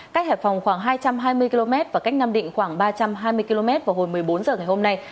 cách hải phòng khoảng hai trăm hai mươi km và cách nam định khoảng ba trăm hai mươi km vào hồi một mươi bốn h ngày hôm nay